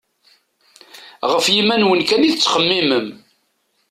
Γef yiman-nwen kan i tettxemmimem.